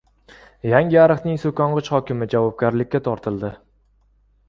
Yangiariqning so‘kong‘ich hokimi javobgarlikka tortildi